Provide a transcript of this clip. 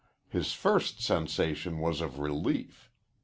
His first sensation was of relief.